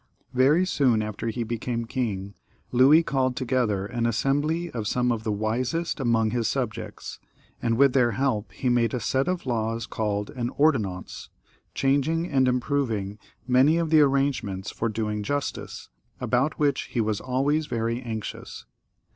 Very soon after he became king Louis called together an assembly of some of the wisest among his subjects, and with their help he made a set of laws called an ordonrumce, changing and improving many of the arrangements for doing justice, about which he was always very anxious.